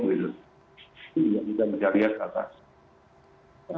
itu yang kita mencari atas